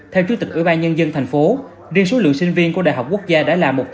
theo chủ tịch ủy ban nhân dân tp riêng số lượng sinh viên của đại học quốc gia đã là một trăm linh